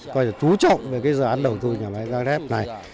coi là trú trọng về cái dự án đầu tư nhà máy giang thép này